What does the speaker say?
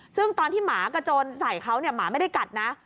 ซึ่งตอนที่หมากระโจนใส่เขาเนี่ยหมาไม่ได้กัดนะ